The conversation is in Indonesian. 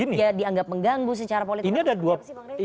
ya dianggap mengganggu secara politik